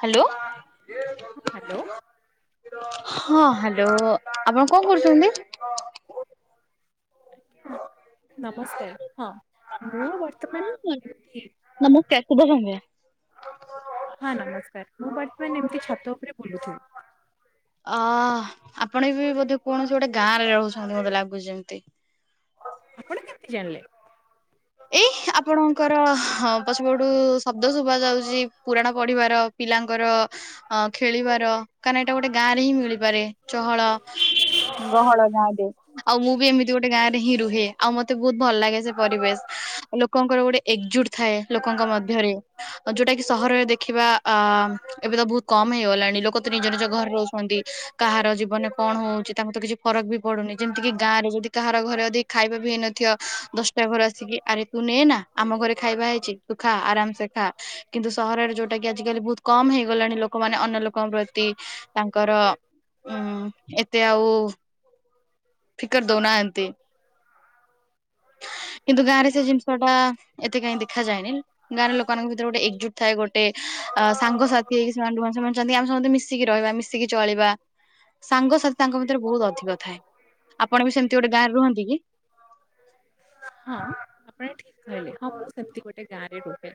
Hello hello ହଁ, ହାଲ୍ ଓ! ଆପଣ କଣ କରୁଛନ୍ତି? ନମସ୍କାର୍ ହଁ, ମୁଁ ବର୍ତ୍ତମାନ [inaudible] ଟା ଶୁଭସନ୍ଧ୍ୟା। ହଁ, ନମସ୍କାର ମୁଁ ବର୍ତ୍ତମାନ ଏମିତି ଛାତ ଉପରେ ବୁଲୁଥିଲି। ଆ ଆପଣ ବି ବୋଧେ କୌଣସି ଗୋଟେ ଗାଁ ରେ ରହୁଛନ୍ତି। ମତେ ଲାଗୁଛି ଯେମିତି। ଆପଣ କେମିତି ଜାଣିଲେ? ଏଇ ଆପଣଙ୍କର ପଛପଟୁ ଶବ୍ଦ ଶୁଭା ଯାଉଛି, ପୁରାଣ ପଢିବାର। ପିଲାଙ୍କର ଅ ଖେଳିବାର କାଁନା ଏଇଟା ଗୋଟେ ଗାଁ ରେ ହିଁ ମିଳିପାରେ। ଚହଳ ଗହଳ ଗାଁରେ, ଆଉ ମୁଁ ବି ଏମିତି ଗୋଟେ ଗାଁରେ ହିଁ ରୁହେ। ଆଉ ମତେ ବହୁତ୍ ଭଲ ଲାଗେ ସେ ପରିବେଶ। ଲୋକଙ୍କର ଗୋଟେ ଏକଜୁଟ୍ ଥାଏ। ଲୋକଙ୍କ ମଧ୍ୟରେ ଯୋଉଟା କି ସହରରେ ଦେଖିବା! ଆ ଏବେ ତ ବହୁତ କମ୍ ହେଇଗଲାଣି ଲୋକତ ନିଜ ନିଜ ଘରେ ରହୁଛନ୍ତି। କାହାର ଜୀବନରେ କଣ ହଉଛି ତାଙ୍କୁ ତ କିଛି ଫରକ୍ ବି ପଡୁନି। ଯେମିତି କି ଗାଁରେ ଯଦି କାହାର ଘରେ ଯଦି ଖାଇବା ବି ହେଇନଥିବ, ଦଶଟା ଘର ଆସିକି ଆରେ ତୁ ନେ, ନା ଆମ ଘରେ ଖାଇବା ହେଇଛି। ଖା! ଆରାମ ସେ ଖା! କିନ୍ତୁ ସହରରେ ଯୋଉଟା କି ଆଜିିକାଲି ବହୁତ୍ କମ୍ ହେଇଗଲାଣି, ଲୋକମାନେ ଅନ୍ୟ ଲୋକଙ୍କ ପ୍ରତି ତାଙ୍କର ଉଁ ଏତେ ଆଉ-ଉ ଫିକର ଦଉନାହାଁନ୍ତି। [inaudible] କିନ୍ତୁ ଗାଁ ରେ ସେ ଜିନିଷ ଟା ଏତେ କାହିଁ ଦେଖାଯାଏନି। ଗାଁ ରେ ଲୋକ ମାନଙ୍କ ଭିତରେ ଗୋଟେ ଏକଜୁଟ୍ ଥାଏ ଗୋଟେ ଆ ସାଙ୍ଗସାଥି ହେଇକି, ସେମାନେ ଯଉଁମାନେ ସେମାନେଚନ୍ତି ଆମେ ସମସ୍ତେ ମିଶିକି ରହିବା, ମିଶିକି ଚଳିବା। ସାଙ୍ଗସାଥି ତାଙ୍କ ଭିତରେ ବହୁତ୍ ଅଧିକ ଥାଏ। ଆପଣ ବି ସେମତି ଗୋଟେ ଗାଁରେ ରୁହନ୍ତି କି? ହଁ ଆପଣ ଠିକ୍ କହିଲେ। ହଁ, ମୁଁ ସେମତି ଗୋଟେ ଗାଁରେ ରୁହେ।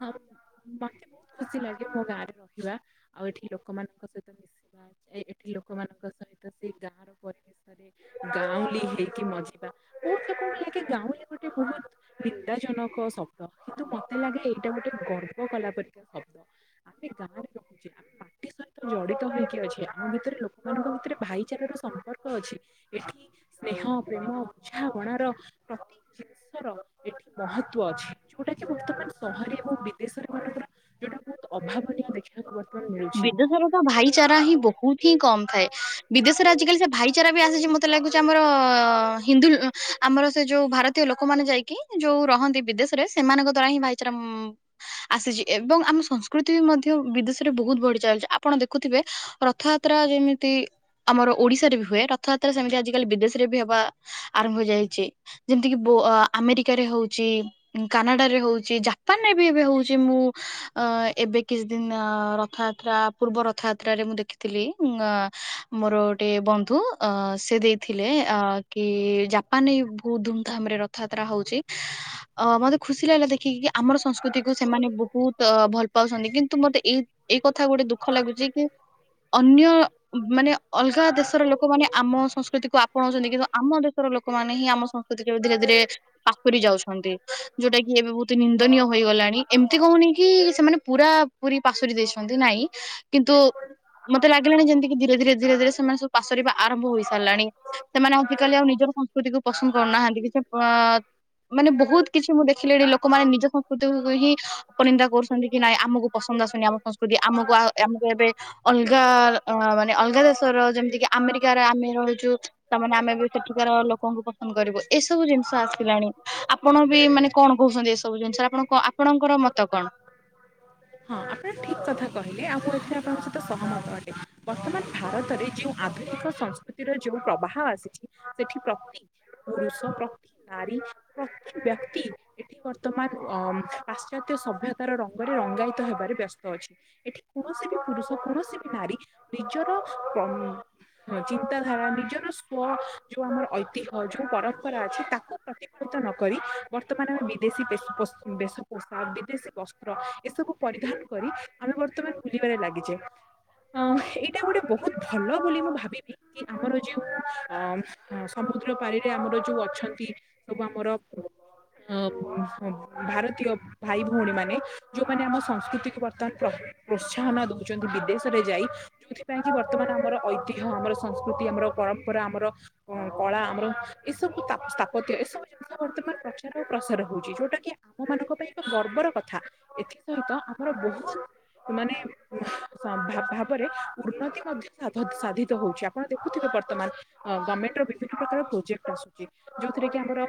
ହଁ, ମତେ ବହୁତ ଖୁସି ଲାଗେ ମୋ ଗାଁରେ ରହିବା। ଆଉ ଏଠି ଲୋକମାନଙ୍କ ସହିତ ମିଶିବା ଏଠି ଲୋ ଲୋକମାନଙ୍କ ସହିତ ସେ ଗାଁର ପରିବେଶରେ ଗାଉଁଲି ହେଇକି ମଜିବା କୋଉଠି ନା କୋଉଠି ଲାଗେ ଗାଉଁଲି ଗୋଟେ ବହୁତ୍ ନିନ୍ଦା ଜନକ ଶବ୍ଦ କିନ୍ତୁ ମତେ ଲାଗେ ଏଇଟା ଗୋଟେ ଗର୍ବ କଲାପରିକା ଶବ୍ଦ। ଆମେ ଗାଁରେ ରହୁଚେ, ଆମେ ପା ଟିଏ ସହିତ ଜଡିତ ହୋଇକି ଅଛି। ଆମ ଭିତରେ ଲୋକ ମାନଙ୍କ ଭିତରେ ଭାଇଚାର ର ସମ୍ପର୍କ ଅଛି। ଏଠି ସ୍ନେହ, ପ୍ରେମ, ଉତ୍ସାହ କୋଣ ର ପ୍ରତି ଜିନିଷର ଏଠି ମହତ୍ତ୍ୱ ଅଛି। ଯୋଉଟା କି ବର୍ତ୍ତମାନ ସହରେ ଏବଂ ବିଦେଶରେ ମାନେ ପୁରା ଯୋଉଟା ବହୁତ ଅଭାବନୀୟ ଦେଖିବାକୁ ପଡ଼େ। ବିଦେଶର ତ ଭାଇଚାରା ହିଁ ବହୁତ ହିଁ କମ୍। ବିଦେଶରେ ଆଜିକାଲି ସେ ଭାଇଚାରା ବି ଆସିଛି। ମତେ ଲାଗୁଛି ଆମର-ଅ-ଅ-ଅ ହିନ୍ଦୁ ଆମର-ଅ ସେ ଯୋଉ ଭାରତୀୟ ଲୋକମାନେ ଯାଇକି ଯୋଉ ରହନ୍ତି। ବିଦେଶରେ ସେମାନଙ୍କ ଦ୍ଵାରା ହିଁ ଭାଇଚାରା ମ୍ ଆସିଛି, ଏ ଏବଂ ଆମ ସଂସ୍କୃତି ବି ମଧ୍ୟ ବିଦେଶ ରେ ବହୁତ ବଢି ଚାଲିଛି। ଆପଣ ଦେଖୁଥିବେ ରଥଯାତ୍ରା ଯେମିତି ଆମର ଓଡିଶାରେ ବି ହୁଏ, ରଥଯାତ୍ରା ସେମିତି ଆଜିକାଲି ବିଦେଶରେ ବି ହବା ଆରମ୍ଭ ହୋଇଯାଇଛି। ଯେମିତିକ ଓ ଆମେରିକାରେ ହଉଚି, କାନାଡ଼ା ରେ ହଉଚି, ଜାପାନରେ ବି ଏବେ ହଉଚି ମୁଁ ଅ ଏବେ କିଛି ଦିନ ଅ ରଥଯାତ୍ରା ପୂର୍ବ ରଥଯାତ୍ରାରେ ମୁଁ ଦେଖିଥିଲି ଉଗଁ, ମୋର ଗୋଟେ ବନ୍ଧୁ ଅ, ସେ ଦେଇଥିଲେ ଅ, କି ଜାପାନରେ ବହୁତ ଧୁମଧାମ୍ ରେ ରଥଯାତ୍ରା ହଉଛି। ଅ, ମୋତେ ଖୁସି ଲାଗିଲା ଦେଖିକି କିି ଆମର ସଂସ୍କୃତିକୁୁ ସେମାନେ ବହୁତ ଅ, ଭଲ ପାଉଛନ୍ତି। କିନ୍ତୁ ମୋତେ ଏଇ ଏଇ କଥା ଗୋଟେ ଦୁଃଖ ଲାଗୁଚି କି ଅନ୍ୟ ମାନେ ଅଲଗା ଦେଶର ଲୋକମାନେ ଆମ ସଂସ୍କୃତିକୁୁ ଆପଣଉଚନ୍ତି। କିନ୍ତୁ ଆମ ଦେଶର ଲୋକମାନେ ହିଁ ଆମ ସଂସ୍କୃତି ଏବେ ଧୀରେ ଧୀରେ ପାଖୁରି ଯାଉଛନ୍ତି। ଯୋଉଟା କି ଏବେ ବହୁତ ନିନ୍ ଦନୀୟ ହୋଇଗଲାଣି। ଏମତି କହୁନି କି ସେମାନେ ପୁରା ପୁରି ପାଶ ସନ୍ତି ନାଇଁ କିନ୍ତୁ ମୋତେ ଲାଗିଲାଣି ଯେମିତିକି ଧୀରେ ଧୀରେ ଧୀରେ ଧୀରେ ସେମାନେ ସବୁ ପାଶୋରିବା ଆରମ୍ଭ ହୋଇସା ହେଲାଣି, ସେମାନେ ଆଜିକାଲି ଆଉ ନିଜର ସଂସ୍କୃତିକୁ ପସନ୍ଦ କରୁନାହାନ୍ତି କି। ସେ ପ ମାନେ ବହୁତ କିଛି ମୁଁ ଦେଖିଲିଣି ଲୋକମାନେ ନିଜ ସଂ କୁତୁକୁ ହିଁ ଅପନିନ୍ଦା କରୁଛନ୍ତି କି ନାଇଁ ଆମକୁ ପସନ୍ଦ ଆସୁନି ଆମ ସଂସ [unintelligible] ଆମକୁ ଆ, ଆମକୁ ଏବେ ଅଲଗା ର ଅ, ମାନେ ଅଲଗା ଦେଶର ଯେମିତି କି ଆମେରିକାରେ ଆମେ ର ରହୁଚୁ, ତା ମାନେ ଆମେ ବି ସେଠିକାର ଲୋକଙ୍କୁ ପସନ୍ଦ କରିବୁ। ଏସବୁ ଜିନିଷ ଆସିଲାଣି। ଆପଣ ବି କି ମାନେ କଣ କହୁସନ୍ତି ଯେ ଏ ସବୁ ଜିନିଷ ଆପଣଙ୍କ ଆପଣଙ୍କର ମୋତେ କଣ? ହଁ ଆପଣ ଠିକ କଥା କହିଲେ ଆଉ କୋଉ ଏଥିରେ ଆପଣଙ୍କ ସହିତ ସହମତ ଅଟେ। ବର୍ତ୍ତମାନ ଭାରତରେ ଯେଉଁ ଆଧୁନିକ ସଂସ୍କୃତିରେ ଯୋଉ ଉ, ପ୍ରବାହ ଆସିଛି, ସେଠି ପ୍ରତି ପୁରୁଷ ପ୍ରତି ନାରୀ ପ୍ରତି ବ୍ୟକ୍ତି ଏଠି କର୍ ତମାନ ଅ, ଉଁ, ପାଶ୍ଚାତ୍ୟ ସଭ୍ୟତାର ରଙ୍ଗରେ ରଙ୍ଗାୟିତ ହେବାରେ ବ୍ୟସ୍ତ ଅଛି। ଏଠି କୌଣସି ବି ପୁରୁଷ କୌଣସି ବି ନାରୀ ନିଜର ପ୍ରମ ହଁ ଚିନ୍ତାଧାରା ନିଜର ସୁ ଓ ଯୋଉ ଆମର ଐତିହ୍ୟ, ଯୋଉ ପରମ୍ପରା ଅଛି ତାକୁ ପ୍ରତିଫଳିତ ନକରି ବର୍ତ୍ତମାନ ଆମେ ବି ଦେଶୀ ପେଶ ପୋଷ ବେଶ ପୋଷାକ, ବିଦେଶୀ ବସ୍ତ୍ର, ଏସବୁ ପରିଧାନ କରି ଆମେ ବର୍ତ୍ତମାନ [unintelligible] ଉପରେ ଲାଗିଛେ। ଅ ହଁ। ଏଇଟା ଗୋଟେ ବହୁତ ଭଲ ବୋଲି ମୁଁ ଭାବିବି। କି ଆମର ଯେଉଁ ଅଁ, ଉଁ, ସମୁଦ୍ର ପାରି ରେ ଆମର ଯୋଉ ଅଛନ୍ତି ସବୁ ଆମର, ହଁ ଉଁ, ହୁଁ, ଭାରତୀୟ ଭାଇ ଭଉଣୀ ମାନେ ଯୋଉମାନେ ଆମ ସଂସ୍କୃତିକୁ ବର୍ତ୍ତମାନ ପ୍ରୋ- ପ୍ରୋତ୍ସାହନ ହନ ଦଉଚନ୍ତି ବିଦେଶରେ ଯାଇ। ଯୋଉଥିପାଇଁ କି ବର୍ତ୍ତମାନ ଆମର ଐତିହ୍ୟ, ଆମର ସଂସ୍କୃତି, ଆମର ପରମ୍ପରା ଆମର ଉଁ, କଳା ଆମର ଏସବୁ ତା ସ୍ଥାପତ୍ୟ ଏସବୁ ଜିନିଷ ବର୍ତ୍ତମାନ ପ୍ରଚାର ଆଉ ପ୍ରସାର। ହଉଚି, ଯୋଉଟା କି ଆମ ମାନଙ୍କ ପାଇଁ ଏକ ଗର୍ବର କଥା। ଏଥି ସହିତ ଆମର ବହୁତ ମାନେ ସ-ଭା-ଭାବରେ ଉନ୍ନତି ମଧ୍ୟ ସାଧତ ସାଧିତ ହଉଛି। ଆପଣ ଦେଖୁଥିବେ ବର୍ତ୍ତମାନ ଅ, ଗମେଣ୍ଟର ବିଭିନ୍ନ ପ୍ରକାର ପ୍ରୋଜେକ୍ଟ ଆସୁଚି। ଯୋଉଥିରେ କି ଆମର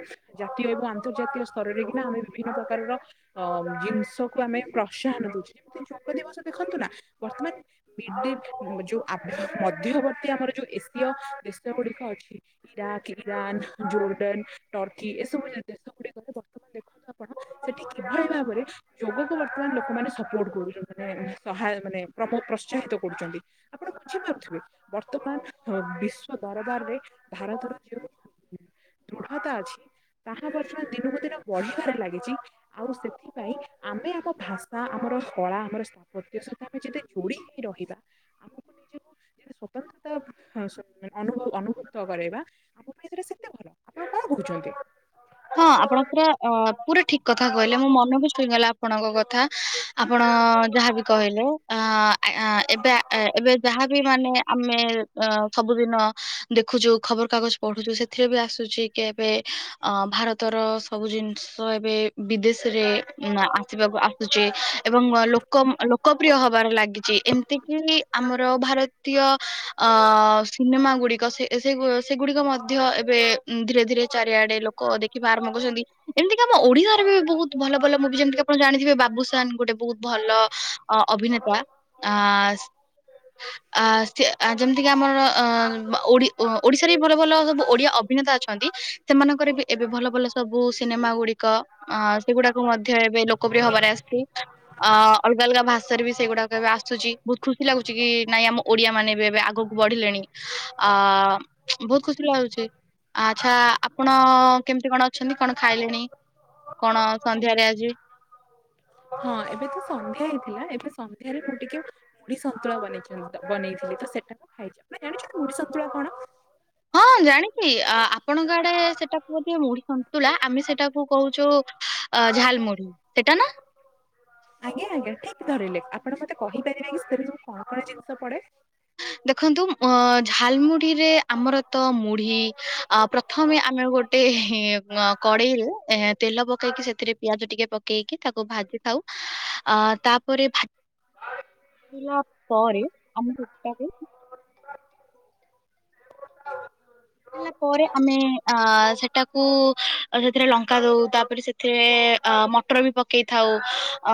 ଜାତୀୟ ଏବଂ ଆନ୍ତର୍ଜୀୟ ସ୍ତରରେ କି ନା ଆମେ ବି [unintelligible] ପ୍ରକାରର ଅ, ଜିନିଷକୁୁ ଆମେ ପ୍ରୋତ୍ସାହନ ଦଉଛେ। ଯେମିତି ଯୋଗ ଦିବସ ଦେଖନ୍ତୁ ନା ବର୍ତ୍ତମାନ [unintelligible] ଯୋଉ ଆ, ମଧ୍ୟବର୍ତ୍ତୀ ଆମର ଯୋଉ ଏସୀୟ ଦେଶ ଗୁଡିକ ଅଛି। ଇରାକ, ଇରାନ, ଜୋର୍ଡନ, ଟର୍କି ଏସବୁ ଦେଶ ଗୁଡିକୁ [unintelligible] [inaudible] ସେଠି କିଭଳି ଭାବରେ ଯୋଗକୁ ବର୍ତ୍ତମାନ ଲୋକମାନେ ସପୋର୍ଟ କରୁଚନ୍ତି। [unintelligible] ସହାୟ ମାନେ ପ୍ର [unintelligible] ପ୍ରୋତ୍ସାହିତ କରୁଚନ୍ତି। ଆପଣ ବୁଝିପାରୁଥିବେ। ବର୍ତ୍ତମାନ ହୋ ବିଶ୍ଵ ଦରବାରରେ ଭାରତର ଯେଉଁ ଦୃଢତା ଅଛି। ତାହା ବର୍ତ୍ତମାନ ଦିନକୁ ଦିନ ବଢିବାରେ ଲାଗିଚି। ଆଉ ସେଥିପାଇଁ ଆମେ ଆମ ଭାଷା, ଆମର କଳା, ଆମର ସ୍ଥାପତ୍ୟ [unintelligible] ଆମେ ଯଦେ ଯୁଡି ହେଇ ରହିବା ଆମକୁ ନିଜେ [inaudible] [unintelligible] ତ ହଁ ଶୁ- ଅନୁଭ ଅନୁଭୂତ କରେଇବା ମୁଁ ବି ଏଥିରେ ସେତେ ଭଲ, ଆପଣ କଣ କହୁଛନ୍ତି? ହଁ ଆପଣ ପୁରା ଅ ପୁରା ଠିକ୍ କଥା କହିଲେ ମୋ ମନ ବି ଛୁଇଁଗଲା ଆପଣଙ୍କ କଥା। ଆପଣ ଯାହାବି କହିଲେ। ଆ ଆଁ, ଆଁ, ଏବେ ଏବେ ଯାହାବି ମାନେ ଆମେ ଅ, ସବୁଦିନ ଦେଖୁଚୁ। ଖବରକାଗଜ ପଢୁଚୁ। ସେଥିରେ ବି ଆସୁଛି କି ଏବେ ଅ, ଭାରତର ସବୁ ଜିନିଷ ଏବେ ବିଦେଶରେ ଉଁ, ଆସିବାକୁ ଆସୁଚି। ଏବଂ ଲୋକ ଲୋକପ୍ରିୟ ହବାର ଲାଗିଚି। ଏମତି କିି ଆମର ଭାରତ ତୀୟ ଅ ସିନେମା ଗୁଡ଼ିକ ଏ, ସେ ସେ, ଗୁ, ସେ ସେଗୁଡ଼ିକ ମଧ୍ୟ ଏବେ ଧୀରେ ଧୀରେ ଚାରିଆଡ଼େ ଲୋକ ଦେଖି ବା ଆରମ୍ଭ କରୁଛନ୍ତି ଏମିତି କାମ ଓଡ଼ିଆରେ ବି ବହୁତ ଭଲ ଭଲ ମୁଭି ଯେମିତି ଆପଣ ଜାଣିଥିବେ ବା ବାବୁସାନ୍ ଗୋଟେ ବହୁତ ଭଲ ଅଭିନେତା ଆ ସ ଆ ସିଏ ଯେମିତିକା ଆମର ଅ ଓଡ଼ି ଓଡିଶାରେ ବି ଭଲ ଭଲ ସବୁ ଓଡିଆ ଅଭିନେତା ଅଛନ୍ତି। ସେମାନଙ୍କର ବି ଏବେ ଭଲ ଭଲ ସବୁ ସିନେମା ଗୁଡ଼ିକ ଆ ସେଗୁଡାକୁ ମଧ୍ୟ ଏବେ ଲୋକପ୍ରିୟ ହବାରେ ଆସିଚି। ଆ ଅଲଗା ଅଲଗା ଭାଷାରେ ବି ସେଇଗୁଡାକ ଏବେ ଆସୁଚି ବହୁତ ଖୁସି ଲାଗୁଚି କି ନାଇଁ ଆମ ଓଡିଆ ମାନେ ବି ଏବେ ଆଗକୁ ବଢିଲେଣି ଆ ବହୁତ ଖୁସି ଲାଗୁଚି। ଆଚ୍ଛା ଆପଣ କେମିତି କଣ ଅଛନ୍ତି କଣ ଖାଇଲେଣି? କଣ ସନ୍ଧ୍ୟାରେ ଆଜିି? ହଁ ଏବେ ତ ସନ୍ଧ୍ୟା ହେଇଥିଲା ଏବେ ସନ୍ଧ୍ୟାରେ ମୁଁ ଟିକେ ମୁଢି ସନ୍ତୁଳା ବନେଇ ଥନ୍ତା ବନେଇଥିଲି। ସେଟା କୁ ଖାଇଛି, ଆପଣ ଜାଣିଛନ୍ତି ମୁଢ଼ି ସନ୍ତୁଳା କଣ? ହଁ ଜାଣିଛିି ଆପଣଙ୍କ ଆଡେ ସେଟାକୁ କୁହନ୍ତି ମୁଢ଼ି ସନ୍ତୁଳା ଆମେ ସେଟାକୁ କହୁଛୁ ହା ଝାଲମୁଢ଼ି ସେଟା ନା? ଆଜ୍ଞା ଆଜ୍ଞା ଠିକ୍ ଧରିଲେ ଆପଣ ମତେ କହିପାରିବେ କି ସେଥିରେ ସବୁ କଣ କଣ ଜିନିଷ ପଡ଼େ? [unintelligible] ଦେଖନ୍ତୁ ଅ ଝାଲମୁଢିରେ ଆମର ତ ମୁଢି ହା ପ୍ରଥମେ ଆମେ ଗୋଟେ ଏ ହେଃ କଡେଇରେ ଆଁ ତେଲ ପକେଇକି ସେଥିରେ ପିଆଜ ଟିକେ ପକେଇକି ତାକୁ ଭାଜି ଥାଉ। ହା ଆ ତା ପରେ ଭା ଭାଜିଲା ପରେ ତାକୁ ହେଲା ପରେ ଆମେ ଆ ସେଟାକୁ ସେଥିରେ ଲଙ୍କା ଦଉ ତାପରେ ସେଥିରେ ଏ ଆ ମଟର ବି ପକେଇଥାଉ ଆ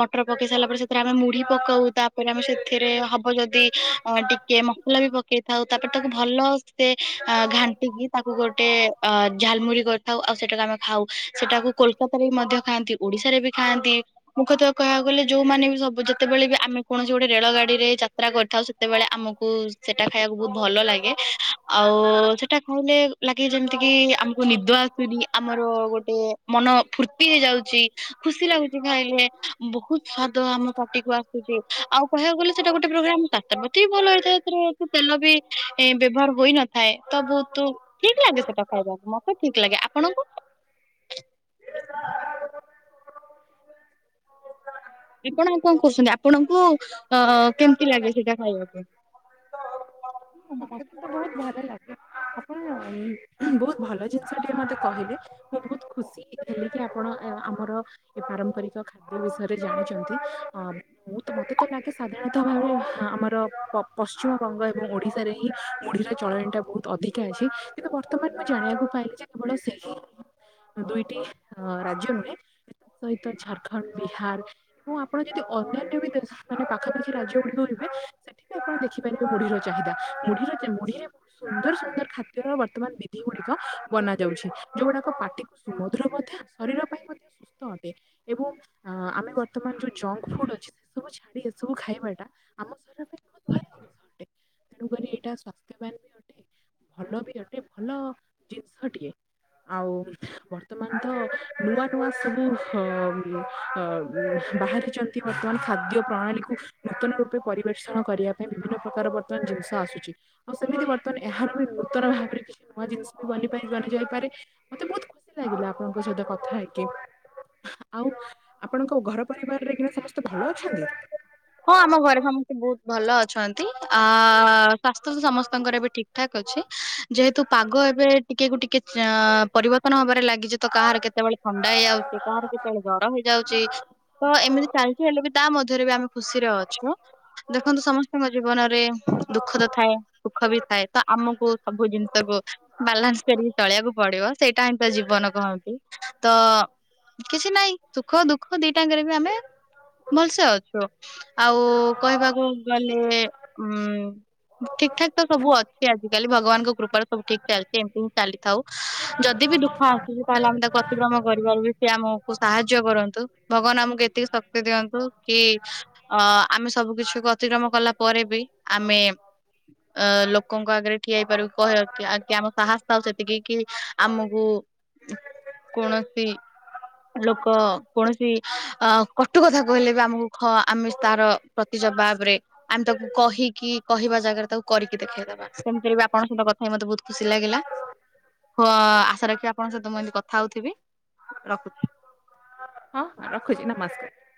ମଟର ପକେଇ ସାରିଲା ପରେ ସେଥିରେ ଆମେ ମୁଢି ପକଉ ତା ପ ପରେ ଆମେ ସେଥିରେ ହବ ଯଦି ଅ ଟିକେ ମସଲା ବି ପକେଇଥାଉ ତାପରେ ତାକୁ ଭଲ ସେ ଘାଣ୍ଟିକି ତାକୁ ଗୋଟେ ଅ ଝାଲମୁଢ଼ି କରିଥାଉ ଆଉ ସେଟାକୁ ଆମେ ଖାଉ ସେଟାକୁ କୋଲକାତାରେ ବି ମଧ୍ୟ ଖାଆନ୍ତି, ଓଡିଶାରେ ବି ଖାଆନ୍ତି, ମୁଖ୍ୟତଃ କହିବାକୁ ଗଲେ ଯୋଉମାନେ ବି ସବୁ ଯେତେବେଳେ ବି ଆମେ ଆମେ କୌଣସି ଗୋଟେ ରେଳ ଗାଡି ରେ ଯାତ୍ରା କରିଥାଉ ସେତେବେଳେ ଆମକୁ ସେଟା ଖାଇବାକୁ ବହୁତ ଭଲ ଲାଗେ। ଆଉ ସେଟା ଖାଇଲେ ଲାଗେ ଯେମିତି କି ଆମକୁ ନିଦ ଆସୁନି ଆମର ଗୋଟେ ମ ନ ଫୁର୍ତି ହେଇଯାଉଚି ଖୁସି ଲାଗୁଚି ଖାଇଲେ ବହୁତ ସ୍ଵାଦ ଆମ ପାଟି କୁ ଆସୁଚି। ଆଉ କହିବାକୁ ଗଲେ ସେଇଟା ଗୋଟେ ପ୍ରୋଗ୍ରାମ ସ୍ୱାସ୍ଥ୍ୟପ୍ରତି ବି ଭଲ ହେଇଥାଏ ସେ ତେଲ ବି ବ୍ୟବହାର ହୋଇନଥାଏ ତ ବହୁତ ଠିକ୍ ଲାଗେ ସେଟା ଖାଇବାକୁ ମତେ ଠିକ୍ ଲାଗେ, ଆପଣଙ୍କୁ? [unintelligible] ଆପଣ ଆଉ କଣ କରୁଛନ୍ତି ଆପଣଙ୍କୁ ଅଁ କେମିତି ଲାଗେ ସେଇଟା ଖାଇବା ପାଇଁ? ମୋତେ ତ ବହୁତ ଭଲ ଲାଗେ ଆପଣ ବହୁତ ଭଲ ଜିନିଷ ଟିଏ ମତେ କହିଲେ ମୁଁ ବହୁତ ଖୁସିହେଇଥାନ୍ତି କି ଆପଣ ଆମର ତ ଏ ପାରମ୍ପରିକ ଖାଦ୍ୟ ବିଷୟରେ ଜାଣିଛନ୍ତି ମୁଁ ତ ମତେ ତ ଲାଗେ ସାଧାରଣତଃ ଭାବେ ହାଁ ଆମର ପ ପଶ୍ଚିମବଙ୍ଗ ଏବଂ ଓଡ଼ିଶା ଶାରେ ହିଁ ମୁଢ଼ିର ଚଳଣି ଟା ବହୁତ ଅଧିକା ଅଛି କିନ୍ତୁ ବର୍ତ୍ତମାନ ମୁଁ ଜାଣିବାକୁ ପାଇଲି ଯେ କେବଳ ସେହି ଦୁଇଟି ଅ ରାଜ୍ୟ ନୁହେଁ ତା ସହିତ ଝାରଖଣ୍ଡ ବିହାର ଏବଂ ଆପଣ ଯଦି ଅନ୍ୟାନ୍ୟ ବି ଦେଶ ମାନେ ପାଖାପାଖି ରାଜ୍ୟ ଗୁଡ଼ିକ ହୁଏ ସେଠି ବି ଆପଣ ଦେଖିପାରିବେ ମୁଢିର ଚାହିଦା। ମୁଢିରେ ମୁଢିରେ ବହୁତ ସୁନ୍ଦର ସୁନ୍ଦର ଖାଦ୍ୟର ବର୍ତ୍ତମାନ ବିଧି ଗୁଡ଼ିକ ବନା ଯାଉଛି ଯୋଉଗୁଡ଼ାକ ପାଟିକୁ ସୁୁମୁଦ୍ର ମଧ୍ୟ ଶରୀର ପାଇଁ ମଧ୍ୟ ସୁସ୍ଥ ଅଟେ ଏବଂ ଆମେ ବର୍ତ୍ତମାନ ଯଉ ଜ ଜଙ୍କଫୁଡବୁ ଅଛି ଏସବୁ ଛାଡ଼ି ଖାଇବାଟା ଆମର ଶରୀର ପାଇଁ ବହୁତ ଭଲ ଜିନିଷ ଅଟେ ତେଣୁକରି ଏଇଟା ସ୍୍ୱାସ୍ଥ୍ୟବାନ ବି ଅଟେ ଭଲ ବି ଅଟେ ଭଲ ଜିନିଷଟିଏ। ଆଉ ବର୍ତ୍ତମାନ ତ ନୂଆ ନୂଆ ସବୁ ଅ, ଅ, ଅ ବାହାରିଛନ୍ତି ବର୍ତ୍ତମାନ ଖାଦ୍ୟ ପ୍ରଣାଳୀକୁ ନୂତନ ରୂପେ ପରିବେଷଣ କରିବା ପାଇଁ ବିଭିନ୍ନ ପ୍ରକାର ତ୍ତ ଜିନିଷ ଆସୁଛି ଆଉ ସେମିତି ବର୍ତ୍ତମାନ ଏହାର ବି ନୂତନ ଭାବରେ ନୂଆ ଜିନିଷ ବି ବନିପାରି ବନି ଯାଇପାରେ ମତେ ବହୁତ ଖୁସି ଲାଗିଲା ଆପଣଙ୍କ ସହିତ କଥା ହେଇକି ଆଉ ଆପଣଙ୍କ ଘର ପରିବାରରେ କିନା ସମସ୍ତେ ଭଲ ଅଛନ୍ତି? ହଁ ଆମ ଘରେ ସମସ୍ତେ ବହୁତ ଭଲ ଅଛନ୍ତି ଆ ସ୍ୱାସ୍ଥ୍ୟ ତ ସମସ୍ତଙ୍କର ଏବେ ଠିକଠାକ୍ ଅଛି ଯେହେତୁ ପାଗ ଏବେ ଟିକେ କୁ ଟିକେ ଅ ପରିବର୍ତ୍ତ ନ ହେବାରେ ଲାଗିଛି ତ କାହାର କେତେବେଳେ ଥଣ୍ଡା ହେଇଯାଉଛି କାହାର କେତେବେଳେ ଜର ହେଇଯାଉଛି ତ ଏମିତି ଚାଲିଛି ହେଲେ ବି ତା ମଧ୍ୟ ଖୁସିରେ ଅଛୁ। ଦେଖନ୍ତୁ ସମସ୍ତଙ୍କ ଜୀବନରେ ଦୁଃଖ ତ ଥାଏ ସୁଖ ବି ଥାଏ ତ ଆମକୁ ସବୁ ଜିନିଷ କୁ ବାଲାନ୍ସ କରିକି ଚଳିବାକୁ ପଡିବ ସେଇଟା ହିଁ ତ ଜୀବନ କହନ୍ତି ତ କିଛି ନାହିଁ ସୁଖ ଦୁଃଖ ଦିଟାଙ୍କରେ ବି ଆମେ ଭଲସେ ଅଛୁ। ଆଉ କହିବାକୁ ଗଲେ ଉଁ ଠିକ ଠାକ ତ ସବୁ ଅଛି ଆଜିକାଲି ଭଗବାନଙ୍କ କୃପାରେ ସବୁ ଠିକ ଚାଲିଛି ଏମିତି ହିଁ ଚାଲିଥାଉ ଯଦି ବି ଦୁଃଖ ଆସିଛି ତାହେଲେ ଆମ ତା ଅତିକ୍ରମ କରିବାରୁ ବି ସେ ଆମକୁ ସାହାଯ୍ୟ କରନ୍ତୁ ଭଗବାନ ଆମକୁ ଏତିକି ଶକ୍ତି ଦିଅନ୍ତୁ କି ଅ ଆମେ ସବୁ କିଛିକୁ ଅତିକ୍ରମ କଲା ପରେ ବି ଆମେ ଅ ଲୋକଙ୍କ ଆଗରେ ଠିଆ ହେଇପାରିବୁ କହିବାକୁ କି ଆ ଆମ ସାହସ ଥାଉ ସେତିକି କି ଆମକୁ କୌଣସି ଲୋକ କୌଣସି ଅ କଟୁ କଥା କହିଲେ ବି ଆମକୁ ହଁ ଆମେ ତାର ପ୍ରତି ଜବାବ ରେ ଆମେ ତାକୁ କହିକି କହିବା ଜାଗାରେ ତାକୁ କରିକି ଦେଖେଇବା। ସେମିତିରେ ବି ଆପଣଙ୍କ ସହିତ କଥା ହେଇକି ମତେ ବହୁତ ଖୁସି ଲାଗିଲା। ହ ଆଶା ରଖି ଆପଣଙ୍କ ସହିତ ମୁଁ ଏମିତି କଥା ହଉଥିବି ରଖୁଛି। ହଁ ରଖୁଛି ନମସ୍କାର।